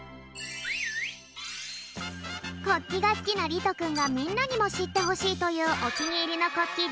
国旗がすきなりとくんがみんなにもしってほしいというお気に入りの国旗だい１位のはっぴょう。